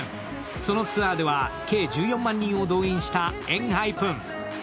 そのツアーでは計１４万人を動員したＥＮＨＹＰＥＮ。